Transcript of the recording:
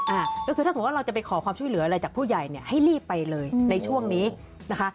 อ่าก็คือถ้าสมมุติว่าเราจะไปขอความช่วยเหลืออะไรจากผู้ใหญ่เนี่ยให้รีบไปเลยในช่วงนี้นะคะ